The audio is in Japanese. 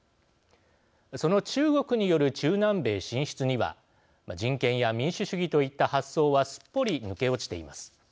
その中国による中南米進出には人権や民主主義といった発想はすっぽり抜け落ちています。